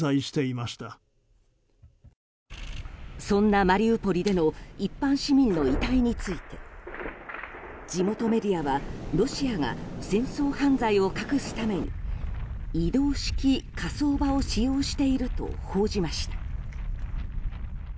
そんなマリウポリでの一般市民の遺体について地元メディアはロシアが戦争犯罪を隠すために移動式火葬場を使用していると報じました。